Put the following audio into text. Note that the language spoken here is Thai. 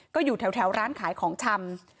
ก็อยู่แถวร้านขายของชำ